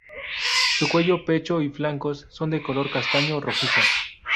Su cuello, pecho y flancos son de color castaño rojizo.